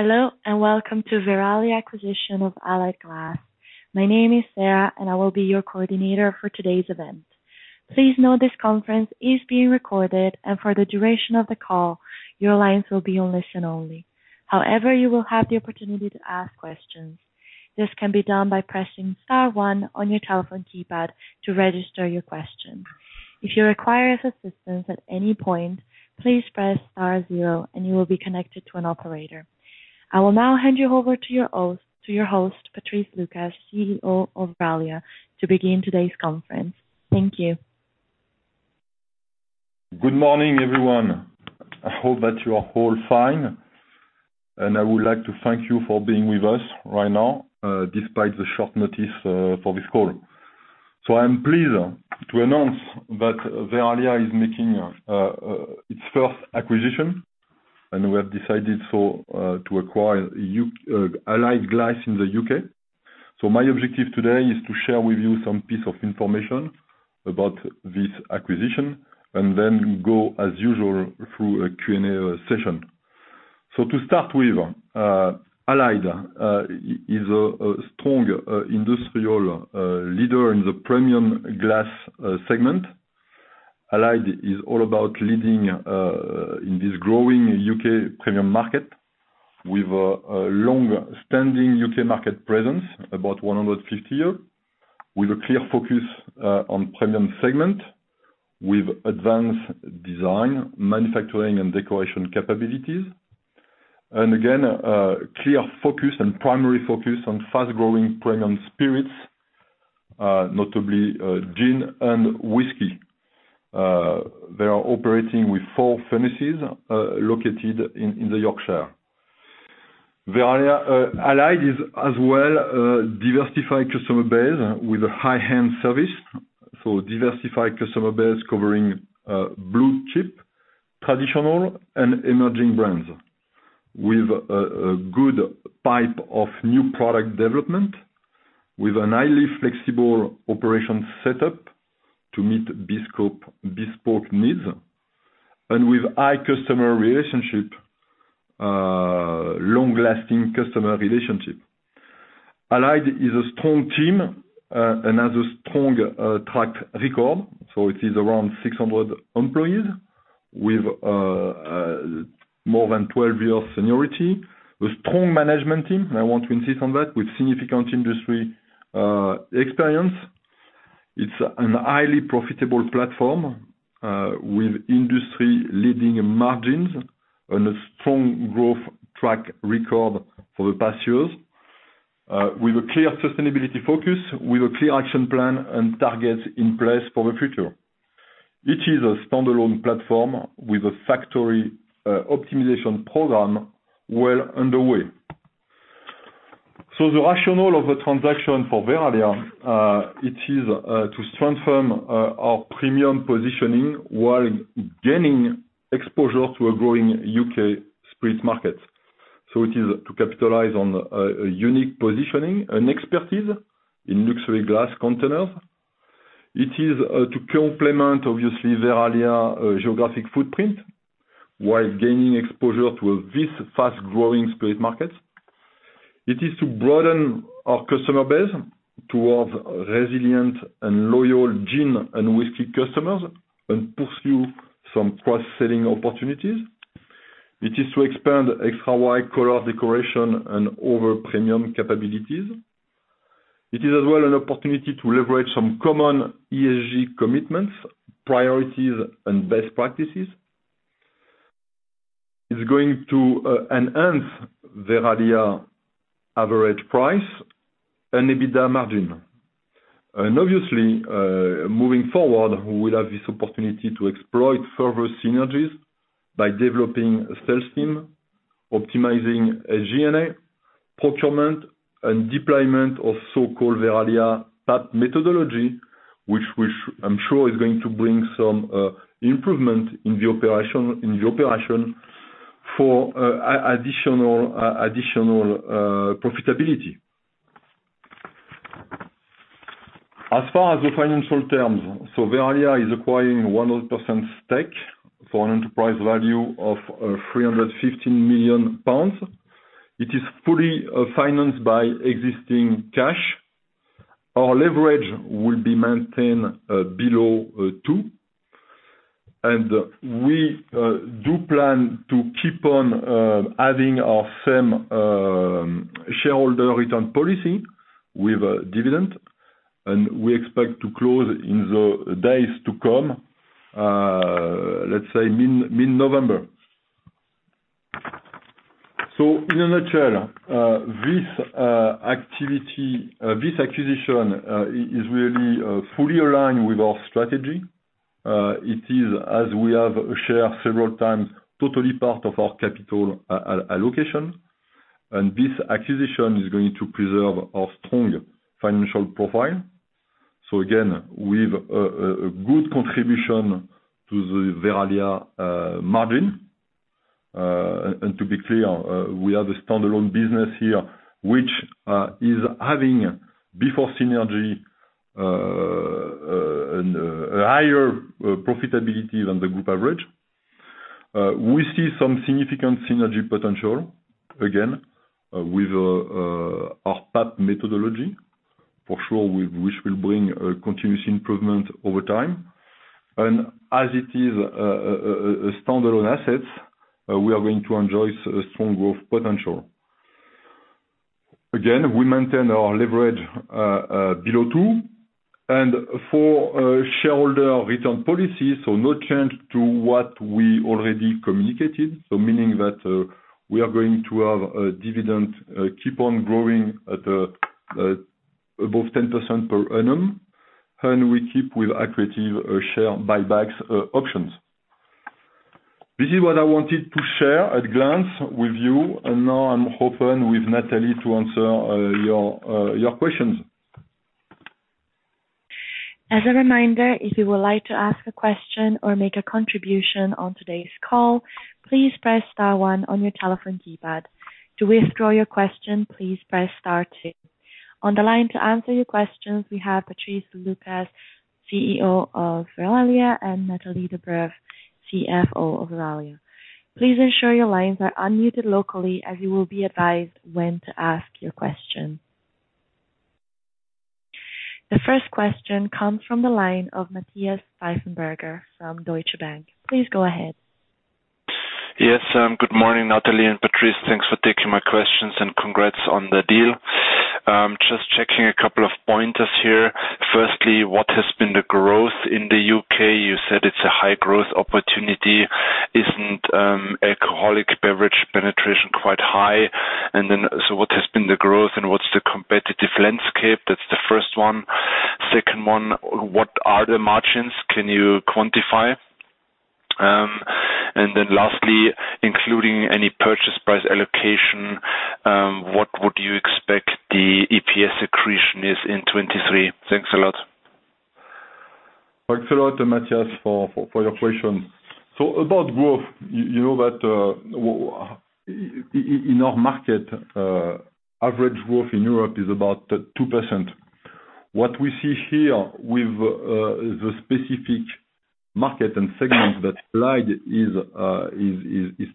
Hello, and welcome to Verallia acquisition of Allied Glass. My name is Sarah, and I will be your coordinator for today's event. Please note this conference is being recorded and for the duration of the call, your lines will be on listen only. However, you will have the opportunity to ask questions. This can be done by pressing star one on your telephone keypad to register your question. If you require assistance at any point, please press star zero and you will be connected to an operator. I will now hand you over to your host, Patrice Lucas, CEO of Verallia, to begin today's conference. Thank you. Good morning, everyone. I hope that you are all fine, and I would like to thank you for being with us right now, despite the short notice, for this call. I am pleased to announce that Verallia is making its first acquisition, and we have decided to acquire Allied Glass in the U.K. My objective today is to share with you some piece of information about this acquisition and then go as usual through a Q&A session. To start with, Allied is a strong industrial leader in the premium glass segment. Allied is all about leading in this growing U.K. premium market with a long-standing U.K. market presence, about 150-year, with a clear focus on premium segment, with advanced design, manufacturing and decoration capabilities. Clear focus and primary focus on fast-growing premium spirits, notably gin and whiskey. They are operating with four furnaces located in Yorkshire. Verallia, Allied is as well diversified customer base with a high-end service. Diversified customer base covering blue chip, traditional and emerging brands with a good pipe of new product development, with a highly flexible operation setup to meet bespoke needs, and with high customer relationship, long-lasting customer relationship. Allied is a strong team and has a strong track record, so it is around 600 employees with more than 12 years seniority. A strong management team, and I want to insist on that, with significant industry experience. It's a highly profitable platform with industry-leading margins and a strong growth track record for the past years. With a clear sustainability focus, with a clear action plan and targets in place for the future. It is a standalone platform with a factory optimization program well underway. The rationale of the transaction for Verallia, it is to strengthen our premium positioning while gaining exposure to a growing U.K. spirit market. It is to capitalize on a unique positioning and expertise in luxury glass containers. It is to complement, obviously, Verallia geographic footprint, while gaining exposure to this fast-growing spirit market. It is to broaden our customer base towards resilient and loyal gin and whiskey customers and pursue some cross-selling opportunities. It is to expand extra wide color decoration and other premium capabilities. It is as well an opportunity to leverage some common ESG commitments, priorities and best practices. It's going to enhance Verallia average price and EBITDA margin. Obviously, moving forward, we'll have this opportunity to exploit further synergies by developing a sales team, optimizing SG&A, procurement and deployment of so-called Verallia PAP methodology, which I'm sure is going to bring some improvement in the operation for additional profitability. As far as the financial terms, Verallia is acquiring 100% stake for an enterprise value of 315 million pounds. It is fully financed by existing cash. Our leverage will be maintained below two. We do plan to keep on adding our same shareholder return policy with a dividend, and we expect to close in the days to come, let's say mid-November. In a nutshell, this acquisition is really fully aligned with our strategy. It is, as we have shared several times, totally part of our capital allocation. This acquisition is going to preserve our strong financial profile. Again, with a good contribution to the Verallia margin. To be clear, we have a standalone business here, which is having before synergy and higher profitability than the group average. We see some significant synergy potential, again, with our PAP methodology, for sure, which will bring a continuous improvement over time. As it is a standalone asset, we are going to enjoy strong growth potential. Again, we maintain our leverage below two. For shareholder return policy, no change to what we already communicated, meaning that we are going to have a dividend, keep on growing at above 10% per annum, and we keep with accretive share buybacks, options. This is what I wanted to share at glance with you, and now I'm open with Nathalie to answer your questions. As a reminder, if you would like to ask a question or make a contribution on today's call, please press star one on your telephone keypad. To withdraw your question, please press star two. On the line to answer your questions, we have Patrice Lucas, CEO of Verallia, and Nathalie Delbreuve, CFO of Verallia. Please ensure your lines are unmuted locally as you will be advised when to ask your question. The first question comes from the line of Matthias Pfeifenberger from Deutsche Bank. Please go ahead. Yes. Good morning, Nathalie and Patrice. Thanks for taking my questions and congrats on the deal. Just checking a couple of pointers here. Firstly, what has been the growth in the U.K.? You said it's a high growth opportunity. Isn't alcoholic beverage penetration quite high? What has been the growth and what's the competitive landscape? That's the first one. Second one, what are the margins? Can you quantify? Lastly, including any purchase price allocation, what would you expect the EPS accretion is in 2023? Thanks a lot. Thanks a lot, Matthias, for your question. About growth, you know that in our market average growth in Europe is about 2%. What we see here with the specific market and segments that Allied is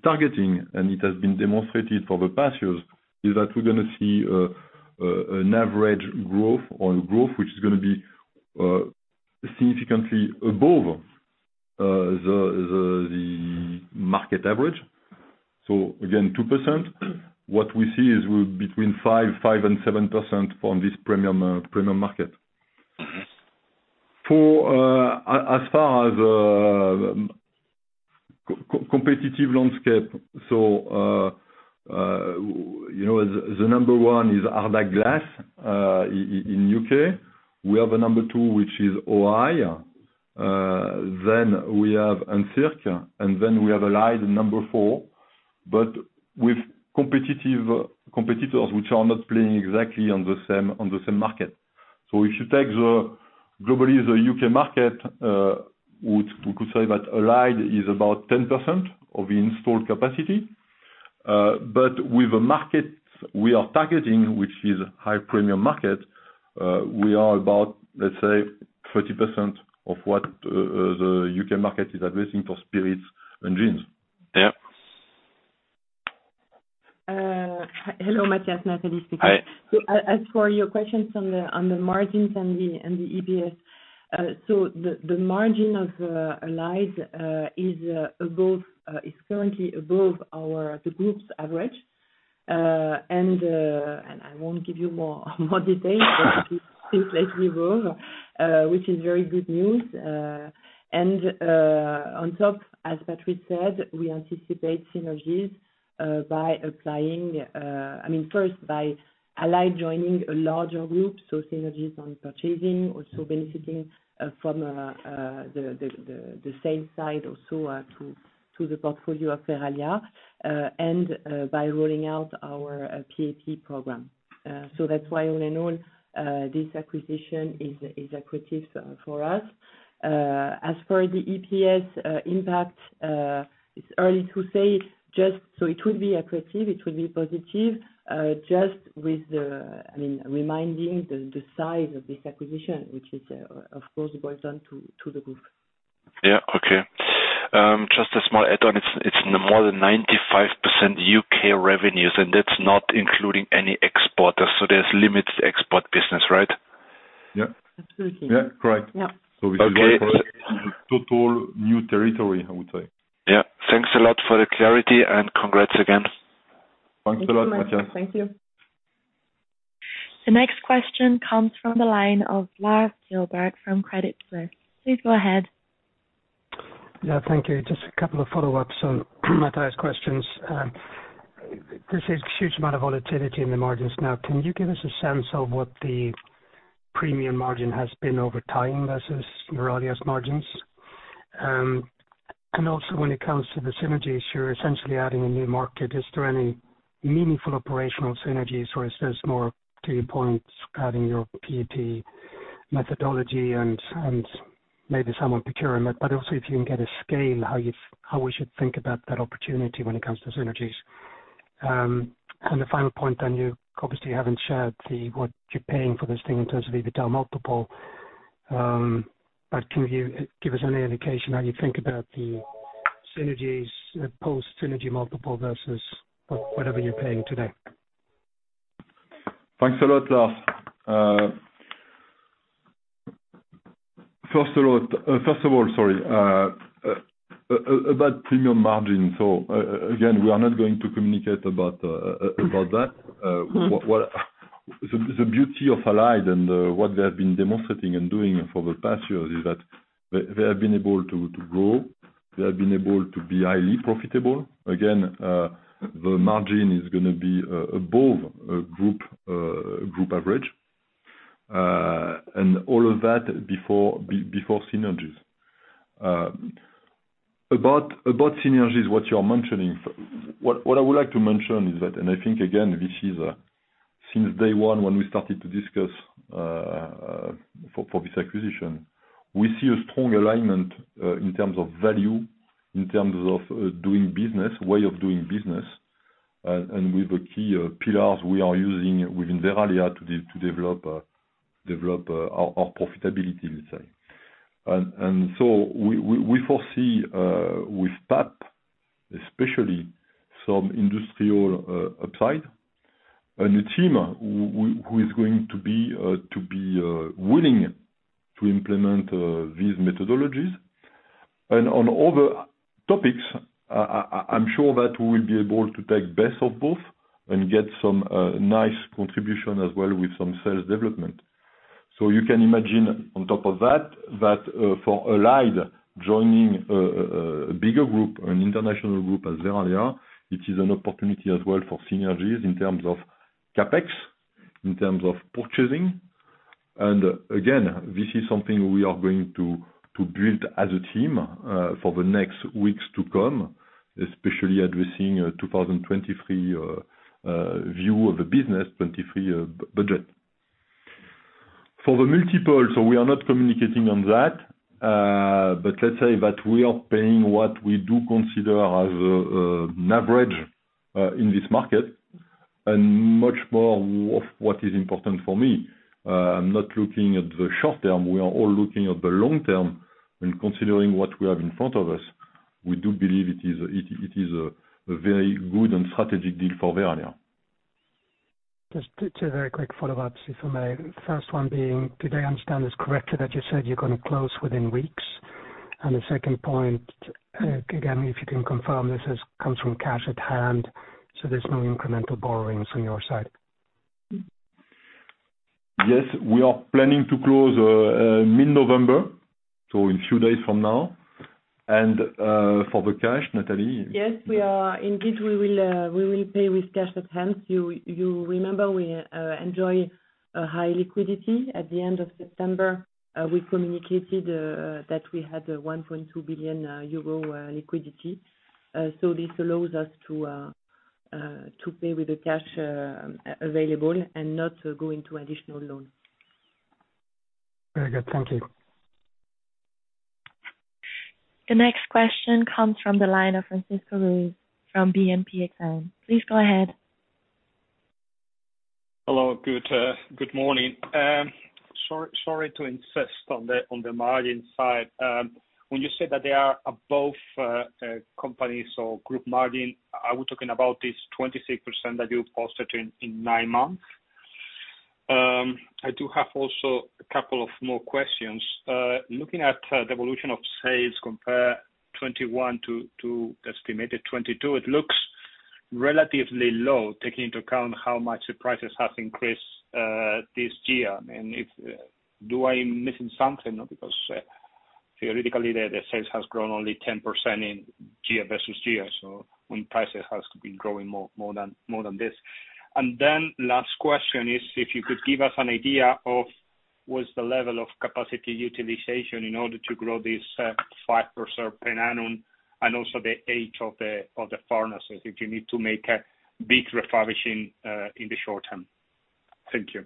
targeting, and it has been demonstrated for the past years, is that we're gonna see an average growth or growth which is gonna be significantly above the market average. Again, 2%, what we see is between 5% and 7% on this premium market. As far as competitive landscape, you know, the number one is Ardagh Glass in U.K. We have a number two, which is O-I. Then we have Encirc, and then we have Allied number four, but with competitive competitors which are not playing exactly on the same market. If you take the U.K. market, we could say that Allied is about 10% of the installed capacity. But with the markets we are targeting, which is high premium market, we are about, let's say, 30% of what the U.K. market is addressing for spirits and gins. Yeah. Hello, Matthias. Nathalie speaking. Hi. As for your questions on the margins and the EPS, the margin of Allied is currently above our group's average. I won't give you more details. It's slightly above, which is very good news. On top, as Patrice said, we anticipate synergies by applying I mean, first, by Allied joining a larger group, so synergies on purchasing, also benefiting from the sales side also to the portfolio of Verallia, and by rolling out our PAP program. That's why all in all, this acquisition is accretive for us. As for the EPS impact, it's early to say just so it will be accretive, it will be positive. I mean, reminding the size of this acquisition, which is, of course, goes on to the group. Yeah. Okay. Just a small add-on. It's more than 95% U.K. revenues, and that's not including any exports, so there's limited export business, right? Yeah. Absolutely. Yeah. Correct. Yeah. This is why. Okay. For us this is total new territory, I would say. Yeah. Thanks a lot for the clarity, and congrats again. Thanks a lot, Matthias. Thank you. The next question comes from the line of Lars Kjellberg from Credit Suisse. Please go ahead. Yeah. Thank you. Just a couple of follow-ups on Matthias' questions. There's a huge amount of volatility in the margins now. Can you give us a sense of what the premium margin has been over time versus Verallia's margins? Also when it comes to the synergies, you're essentially adding a new market. Is there any meaningful operational synergies, or is this more to your points, adding your PAP methodology and maybe some procurement? But also if you can give a scale, how we should think about that opportunity when it comes to synergies. The final point you obviously haven't shared what you're paying for this thing in terms of EBITDA multiple. Can you give us any indication how you think about the synergies, post-synergy multiple versus whatever you're paying today? Thanks a lot, Lars. First of all, sorry, about premium margin, so again, we are not going to communicate about that. What the beauty of Allied and what they have been demonstrating and doing for the past years is that they have been able to grow, they have been able to be highly profitable. Again, the margin is gonna be above group average. All of that before synergies. About synergies, what I would like to mention is that I think again, this is since day one when we started to discuss for this acquisition, we see a strong alignment in terms of value, in terms of doing business, way of doing business. With the key pillars we are using within Verallia to develop our profitability, let's say. We foresee with PAP especially some industrial upside. A new team who is going to be willing to implement these methodologies. On other topics, I'm sure that we will be able to take the best of both and get some nice contribution as well with some sales development. You can imagine on top of that, for Allied joining a bigger group, an international group as Verallia, it is an opportunity as well for synergies in terms of CapEx, in terms of purchasing. Again, this is something we are going to build as a team for the next weeks to come, especially addressing 2023 view of the business, 2023 budget. For the multiple, we are not communicating on that. Let's say that we are paying what we do consider as an average in this market. Much more of what is important for me, I'm not looking at the short term, we are all looking at the long term when considering what we have in front of us. We do believe it is a very good and strategic deal for Verallia. Just two very quick follow-ups if I may. First one being, did I understand this correctly that you said you're gonna close within weeks? The second point, again, if you can confirm this has come from cash at hand, so there's no incremental borrowings on your side. Yes, we are planning to close mid-November, so in few days from now. For the cash, Nathalie? Yes, we will pay with cash at hand. You remember we enjoy a high liquidity at the end of September. We communicated that we had 1.2 billion euro liquidity. This allows us to pay with the cash available and not to go into additional loan. Very good. Thank you. The next question comes from the line of Francisco Ruiz from BNP Paribas Exane. Please go ahead. Hello. Good morning. Sorry to insist on the margin side. When you say that they are above companies or group margin, are we talking about this 26% that you posted in nine months? I do have also a couple of more questions. Looking at the evolution of sales compared 2021 to estimated 2022, it looks relatively low, taking into account how much the prices have increased this year. I mean, am I missing something? Because theoretically the sales has grown only 10% year-over-year, so when prices has been growing more than this. Last question is if you could give us an idea of what's the level of capacity utilization in order to grow this 5% per annum, and also the age of the furnaces, if you need to make a big refurbishing in the short term? Thank you.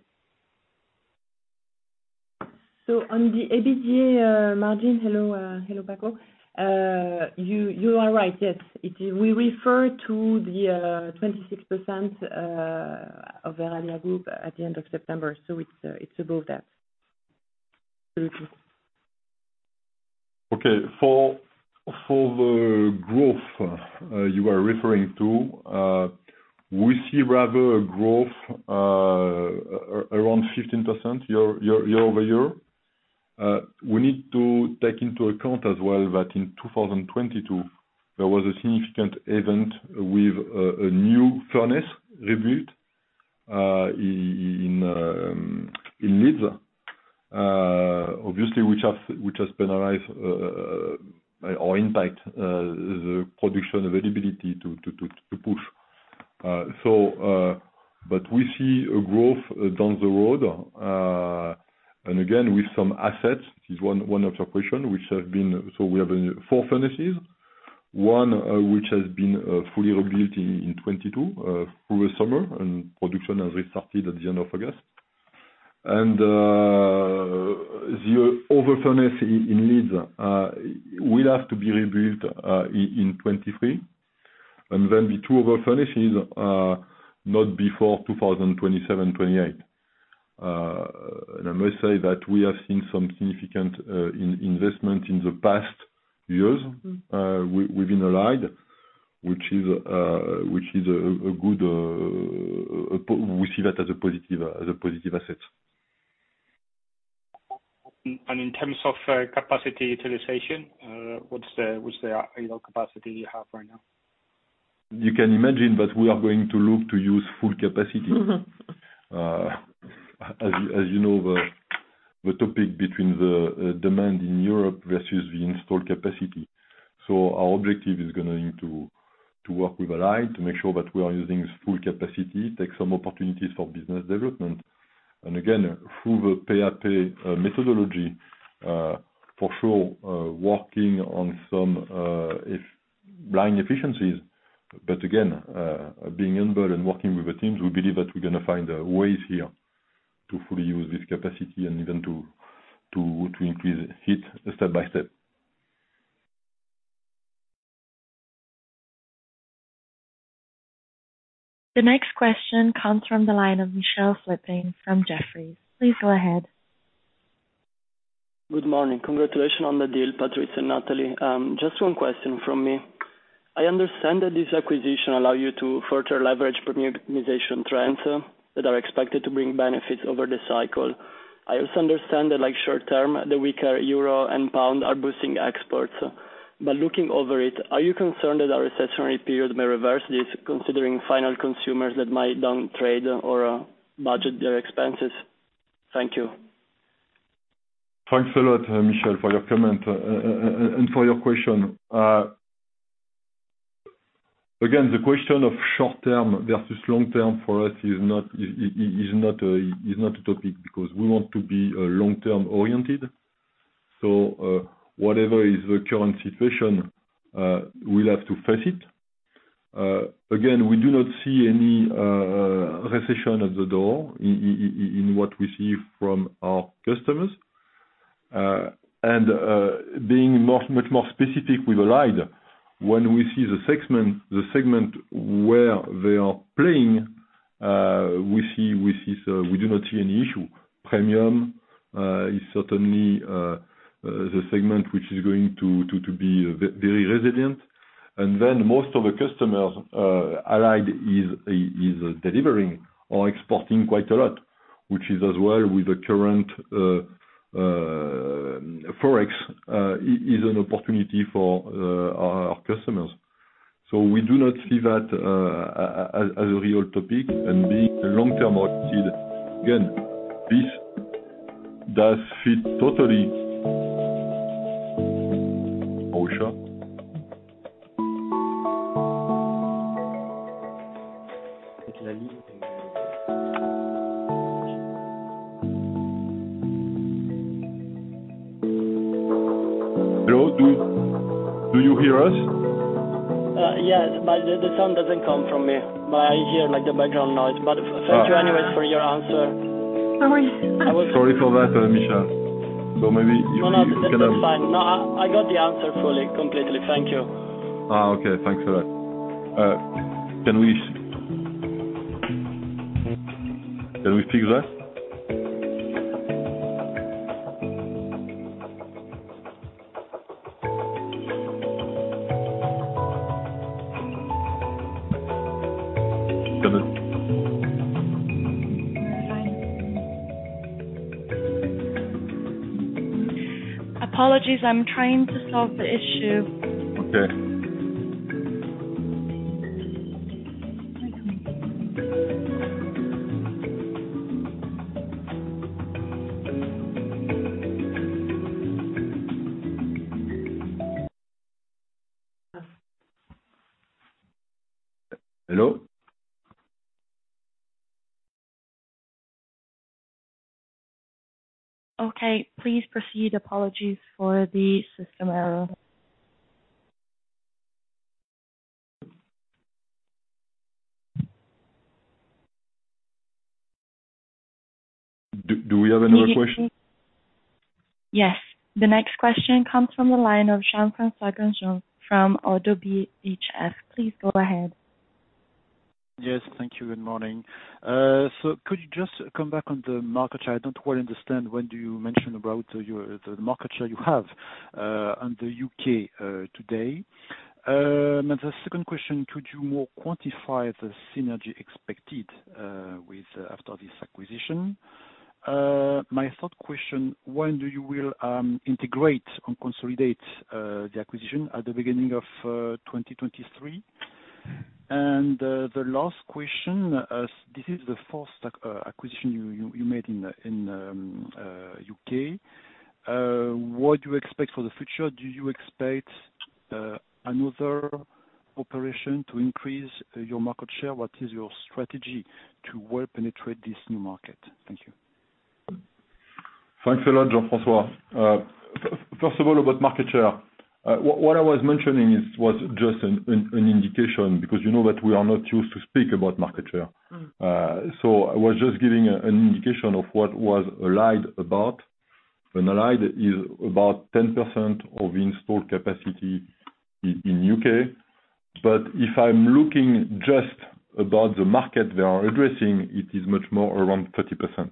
On the EBITDA margin, hello, Paco. You are right, yes. We refer to the 26% of Verallia Group at the end of September. It's above that. For the growth you are referring to, we see rather a growth around 15% year-over-year. We need to take into account as well that in 2022, there was a significant event with a new furnace rebuilt in Leeds. Obviously which has had an adverse impact the production availability to push. But we see a growth down the road, and again, with some assets, this is one observation which has been. We have four furnaces. One which has been fully rebuilt in 2022 through the summer, and production has restarted at the end of August. The other furnace in Leeds will have to be rebuilt in 2023. The two other furnaces are not before 2027-2028. I must say that we have seen some significant investment in the past years within Allied, which is a good point. We see that as a positive asset. In terms of capacity utilization, what's the you know, capacity you have right now? You can imagine that we are going to look to use full capacity. As you know, the topic between the demand in Europe versus the installed capacity. Our objective is gonna need to work with Allied to make sure that we are using full capacity, take some opportunities for business development. Again, through the PAP methodology, for sure, working on some line efficiencies. Again, being humble and working with the teams, we believe that we're gonna find ways here to fully use this capacity and even to increase it step by step. The next question comes from the line of Michelle Prupes from Jefferies. Please go ahead. Good morning. Congratulations on the deal, Patrice and Nathalie. Just one question from me. I understand that this acquisition allow you to further leverage premiumization trends that are expected to bring benefits over the cycle. I also understand that like short term, the weaker euro and pound are boosting exports. Looking over it, are you concerned that our recessionary period may reverse this considering final consumers that might down trade or budget their expenses? Thank you. Thanks a lot, Michelle, for your comment and for your question. Again, the question of short-term versus long-term for us is not a topic because we want to be long-term oriented. Whatever is the current situation, we'll have to face it. Again, we do not see any recession at the door in what we see from our customers. Being much more specific with Allied, when we see the segment where they are playing, we see, so we do not see any issue. Premium is certainly the segment which is going to be very resilient. Most of the customers, Allied is delivering or exporting quite a lot, which is as well with the current Forex is an opportunity for our customers. We do not see that as a real topic and being a long-term oriented. Again, this does fit totally. Are you sure? Hello, do you hear us? Yes, but the sound doesn't come from me. I hear like the background noise. Thank you anyways for your answer. How are you? Sorry for that, Michelle. Maybe you cannot. No, that's fine. No, I got the answer fully, completely. Thank you. Okay. Thanks a lot. Can we speak again? Apologies, I'm trying to solve the issue. Okay. Hello? Okay, please proceed. Apologies for the system error. Do we have another question? Yes. The next question comes from the line of Jean-François Granjon from ODDO BHF. Please go ahead. Yes, thank you. Good morning. Could you just come back on the market share? I don't quite understand when do you mention about your, the market share you have, on the U.K. today. The second question, could you more quantify the synergy expected, with, after this acquisition? My third question, when do you will integrate and consolidate the acquisition, at the beginning of 2023? The last question, this is the fourth acquisition you made in the U.K. What do you expect for the future? Do you expect another operation to increase your market share? What is your strategy to well penetrate this new market? Thank you. Thanks a lot, Jean-François. First of all, about market share, what I was mentioning was just an indication, because you know that we are not used to speak about market share. I was just giving an indication of what was Allied about. Allied is about 10% of installed capacity in U.K. If I'm looking just about the market they are addressing, it is much more around 30%.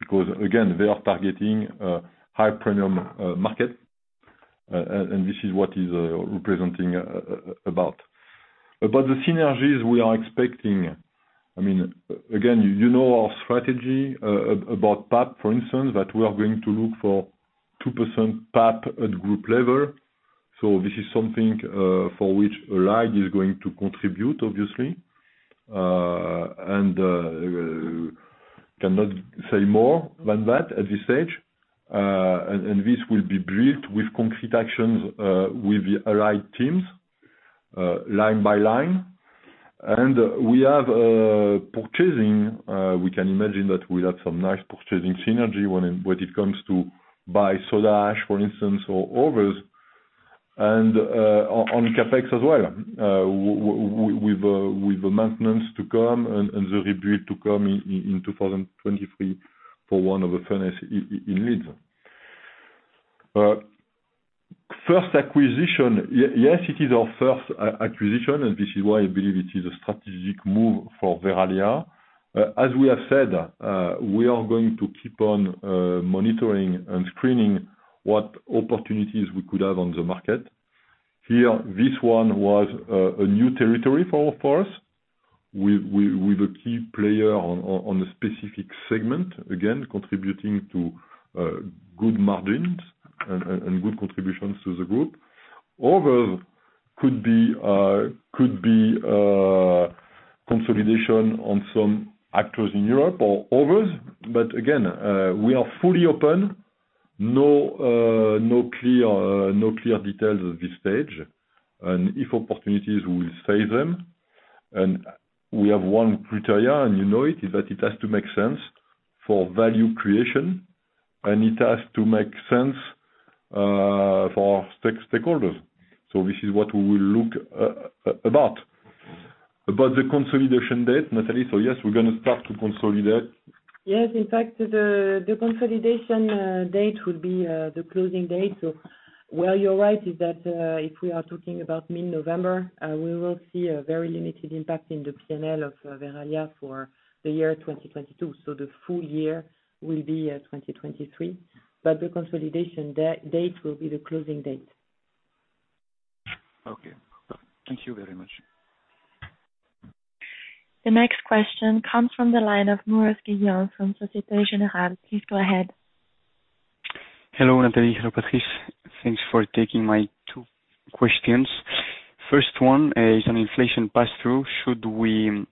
Because again, they are targeting a high premium market. This is what is representing about the synergies we are expecting, I mean, again, you know our strategy about PAP, for instance, that we are going to look for 2% PAP at group level. This is something for which Allied is going to contribute, obviously. I cannot say more than that at this stage. This will be briefed with concrete actions with the Allied teams line by line. We have purchasing, we can imagine that we'll have some nice purchasing synergy when it comes to buying soda ash, for instance, or others. On CapEx as well, with maintenance to come and the rebuild to come in 2023 for one of the furnaces in Leeds. First acquisition, yes, it is our first acquisition, and this is why I believe it is a strategic move for Verallia. As we have said, we are going to keep on monitoring and screening what opportunities we could have on the market. Here, this one was a new territory for us. We with a key player on the specific segment, again, contributing to good margins and good contributions to the group. Other could be consolidation on some actors in Europe or others. Again, we are fully open. No clear details at this stage. If opportunities we will seize them, and we have one criteria, and you know it, is that it has to make sense for value creation, and it has to make sense for stakeholders. This is what we will look about. About the consolidation date, Nathalie, yes, we're gonna start to consolidate. Yes. In fact, the consolidation date would be the closing date. Where you're right is that, if we are talking about mid-November, we will see a very limited impact in the P&L of Verallia for the year 2022. The full year will be 2023. The consolidation date will be the closing date. Okay. Thank you very much. The next question comes from the line of Morris Guillion from Societe Generale. Please go ahead. Hello, Nathalie, hello, Patrice. Thanks for taking my two questions. First one is on inflation pass-through. Should we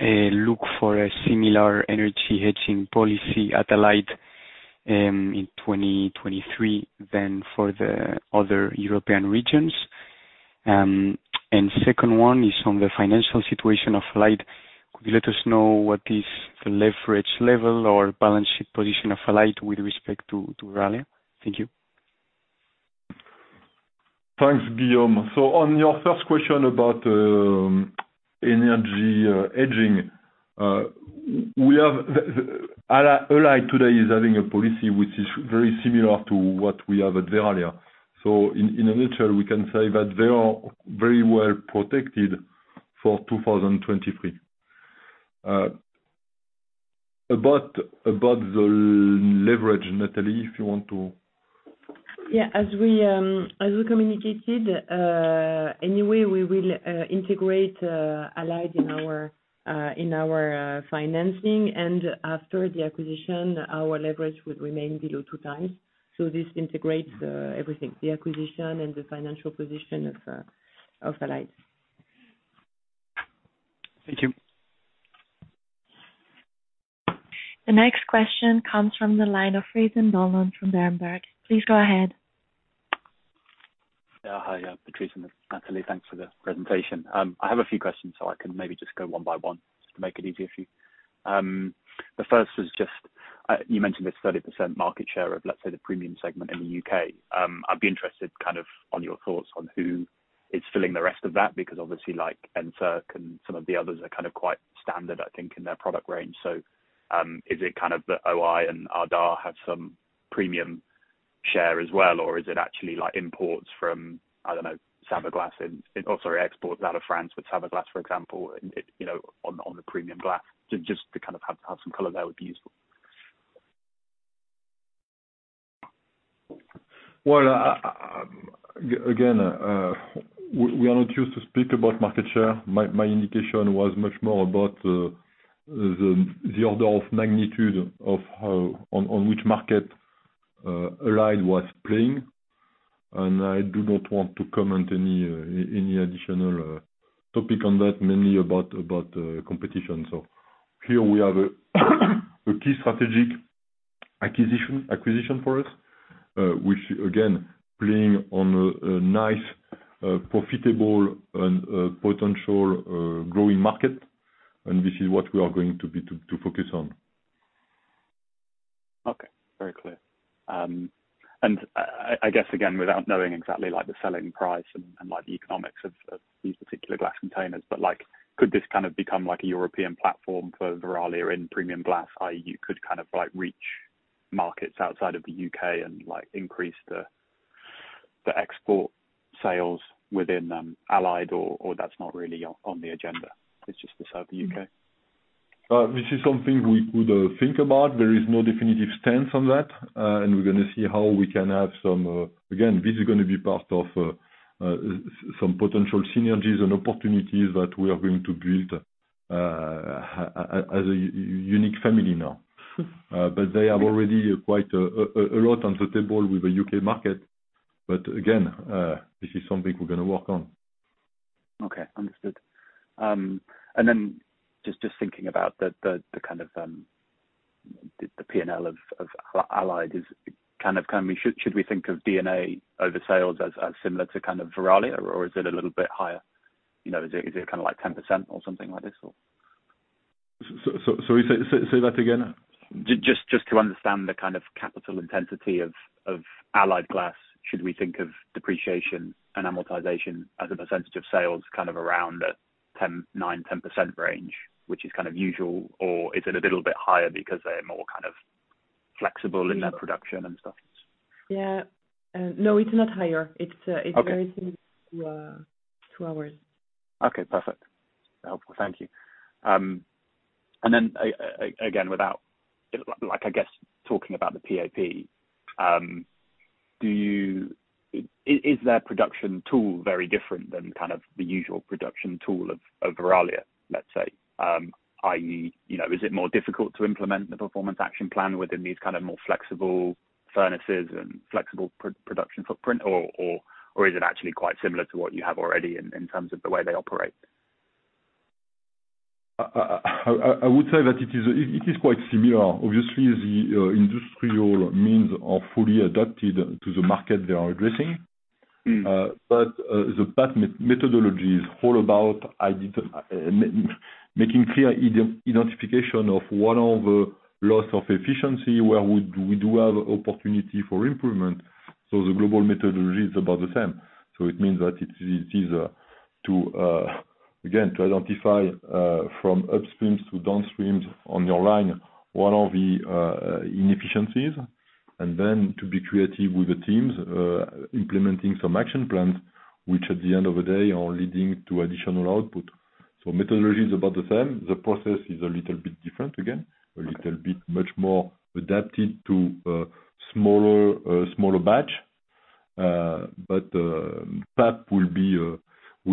look for a similar energy hedging policy at Allied in 2023 than for the other European regions? Second one is on the financial situation of Allied. Could you let us know what is the leverage level or balance sheet position of Allied with respect to Verallia? Thank you. Thanks, Guillon. On your first question about energy hedging, we have. Allied today is having a policy which is very similar to what we have at Verallia. In a nutshell, we can say that they are very well protected for 2023. About the leverage, Nathalie, if you want to. Yeah. As we communicated, anyway, we will integrate Allied in our financing. After the acquisition, our leverage would remain below 2x. This integrates everything, the acquisition and the financial position of Allied. Thank you. The next question comes from the line of Fraser Donlon from Berenberg. Please go ahead. Yeah. Hi, Patrice and Nathalie. Thanks for the presentation. I have a few questions, so I can maybe just go one by one, just to make it easy for you. The first was just, you mentioned this 30% market share of, let's say, the premium segment in the U.K. I'd be interested kind of on your thoughts on who is filling the rest of that, because obviously like Encirc and some of the others are kind of quite standard, I think, in their product range. So, is it kind of that O-I and Ardagh have some premium share as well, or is it actually like imports from, I don't know, Saint-Gobain in, sorry, exports out of France, with Saint-Gobain, for example, you know, on the premium glass? Just to kind of have some color there would be useful. Well, we are not used to speak about market share. My indication was much more about the order of magnitude of on which market Allied was playing. I do not want to comment any additional topic on that, mainly about competition. Here we have a key strategic acquisition for us, which again playing on a nice profitable and potential growing market, and this is what we are going to focus on. Okay. Very clear. I guess again, without knowing exactly like the selling price and like the economics of these particular glass containers, but like could this kind of become like a European platform for Verallia in premium glass, i.e. you could kind of like reach markets outside of the U.K. and like increase the export sales within Allied or that's not really on the agenda, it's just to serve the U.K.? This is something we could think about. There is no definitive stance on that. We're gonna see how we can have some. Again, this is gonna be part of some potential synergies and opportunities that we are going to build as a unique family now. They are already quite a lot on the table with the U.K. market. Again, this is something we're gonna work on. Okay. Understood. Just thinking about the kind of P&L of Allied, should we think of D&A over sales as similar to Verallia or is it a little bit higher? You know, is it kind of like 10% or something like this, or? Sorry, say that again? Just to understand the kind of capital intensity of Allied Glass. Should we think of depreciation and amortization as a percentage of sales kind of around the 9%-10% range, which is kind of usual, or is it a little bit higher because they're more kind of flexible in their production and stuff? Yeah. No, it's not higher. It's Okay. It's very similar to ours. Okay, perfect. Helpful. Thank you. Again, without, like, I guess, talking about the PAP, is their production tool very different than kind of the usual production tool of Verallia, let's say? i.e., you know, is it more difficult to implement the Performance Action Plan within these kind of more flexible furnaces and flexible production footprint or is it actually quite similar to what you have already in terms of the way they operate? I would say that it is quite similar. Obviously the industrial means are fully adapted to the market they are addressing. The PAP methodology is all about making clear identification of what are the loss of efficiency, where we do have opportunity for improvement. The global methodology is about the same. It means that it's easier, again, to identify from upstreams to downstreams on your line what are the inefficiencies, and then to be creative with the teams implementing some action plans, which at the end of the day are leading to additional output. Methodology is about the same. The process is a little bit different, again. Okay. A little bit much more adapted to a smaller batch. PAP will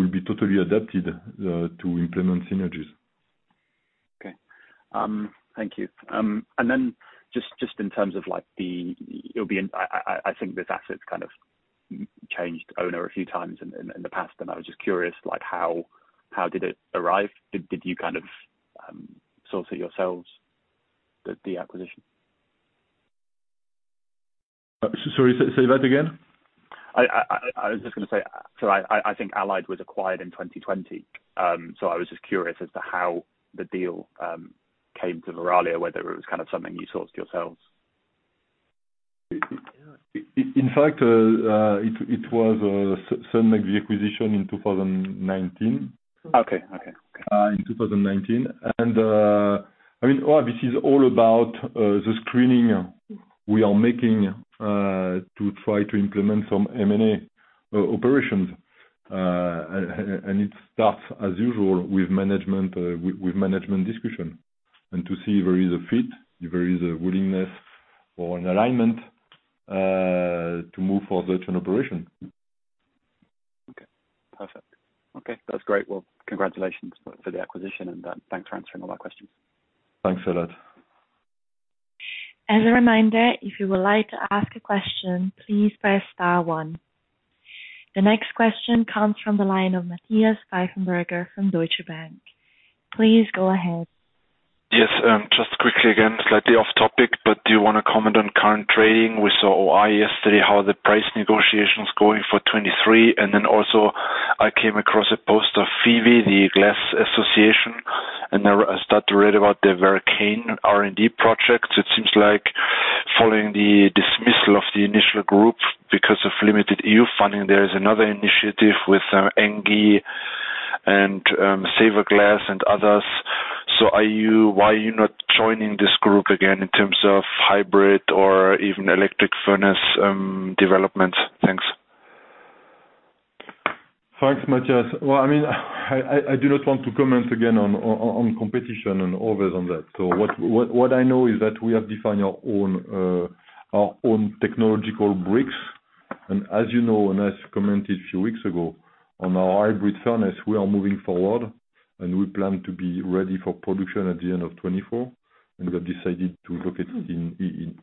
be totally adapted to implement synergies. Okay. Thank you. Just in terms of like I think this asset's kind of changed owner a few times in the past, and I was just curious, like how did it arrive? Did you kind of source it yourselves, the acquisition? Sorry, say that again? I was just gonna say, I think Allied was acquired in 2020. I was just curious as to how the deal came to Verallia, whether it was kind of something you sourced yourselves. In fact, it was signed the acquisition in 2019. Okay. In 2019. I mean, all this is all about the screening we are making to try to implement some M&A operations. It starts as usual with management discussion and to see if there is a fit, if there is a willingness or an alignment to move further to an operation. Okay. Perfect. Okay. That's great. Well, congratulations for the acquisition and thanks for answering all our questions. Thanks a lot. As a reminder, if you would like to ask a question, please press star one. The next question comes from the line of Matthias Pfeifenberger from Deutsche Bank. Please go ahead. Yes, just quickly, again, slightly off topic, but do you wanna comment on current trading? We saw O-I yesterday. How the price negotiations going for 2023? Also I came across a post of FEVE, the glass association, and I start to read about the Verallia R&D project. It seems like following the dismissal of the initial group because of limited EU funding, there is another initiative with ENGIE and Saverglass and others. Are you not joining this group again in terms of hybrid or even electric furnace development? Thanks. Thanks, Matthias. Well, I mean, I do not want to comment again on competition and others on that. What I know is that we have defined our own technological bricks. As you know, as commented a few weeks ago, on our hybrid furnace, we are moving forward, and we plan to be ready for production at the end of 2024, and we have decided to look at in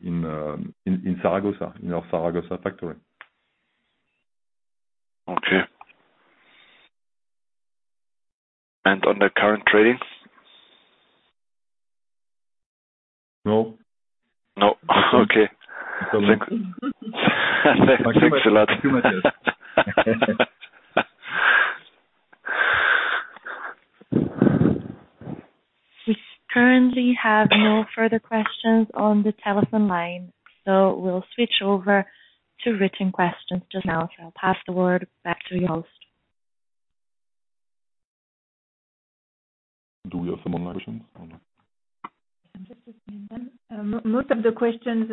Zaragoza, in our Zaragoza factory. On the current trading? No. No. Okay. Thanks, thanks a lot. Too much, yes. We currently have no further questions on the telephone line, so we'll switch over to written questions just now. I'll pass the word back to you, host. Do we have some online questions or no? I'm just looking at them. Most of the questions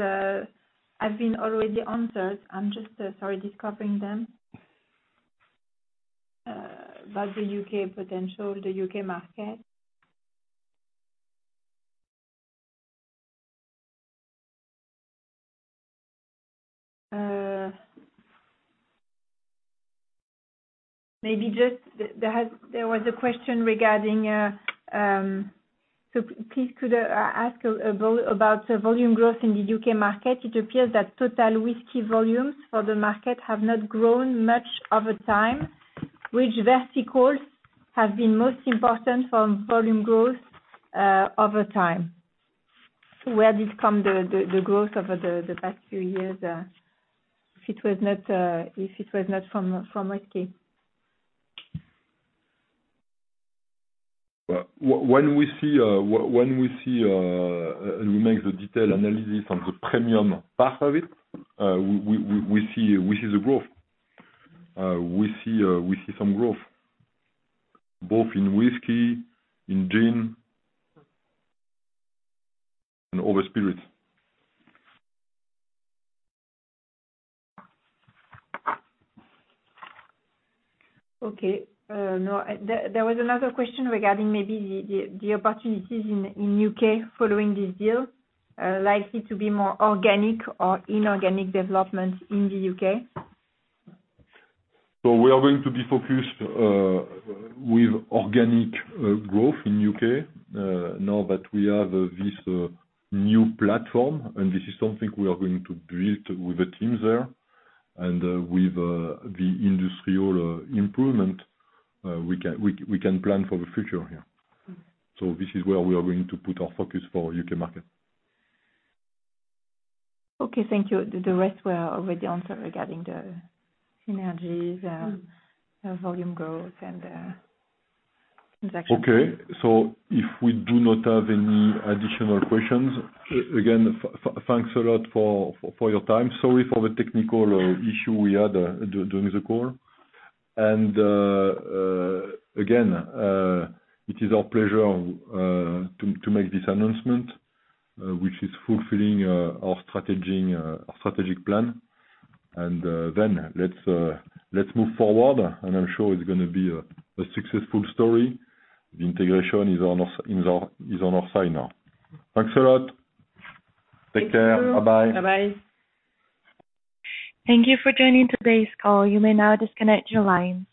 have been already answered. I'm just sorry, discovering them. About the U.K. potential, the U.K. market. Maybe just there was a question regarding, so please could ask about volume growth in the U.K. market. It appears that total whiskey volumes for the market have not grown much over time, which verticals have been most important from volume growth over time? Where did come the growth over the past few years, if it was not from whiskey? We make the detailed analysis on the premium part of it, we see the growth. We see some growth, both in whiskey, in gin, and other spirits. Okay. No, there was another question regarding maybe the opportunities in U.K. following this deal, likely to be more organic or inorganic development in the U.K. We are going to be focused with organic growth in U.K. now that we have this new platform, and this is something we are going to build with the teams there. With the industrial improvement, we can plan for the future, yeah. This is where we are going to put our focus for U.K. market. Okay. Thank you. The rest were already answered regarding the synergies, the volume growth and transaction. Okay. If we do not have any additional questions, thanks a lot for your time. Sorry for the technical issue we had during the call. Again, it is our pleasure to make this announcement, which is fulfilling our strategy, our strategic plan. Let's move forward, and I'm sure it's gonna be a successful story. The integration is on our side now. Thanks a lot. Take care. Bye-bye. Thank you. Bye-bye. Thank you for joining today's call. You may now disconnect your lines.